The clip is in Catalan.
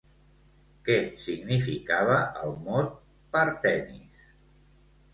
Què significava el mot "partenis"?